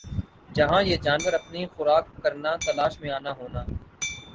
جَہاں یِہ جانور اپنی خوراک کرنا تلاش میں آنا ہونا